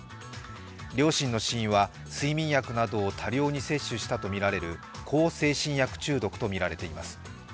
両親の死因は睡眠薬などを多量に摂取したとみられる向精神薬中毒とみられています。